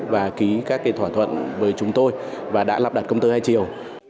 và ký các thỏa thuận với chúng tôi và đã lập đặt công tư hai chiều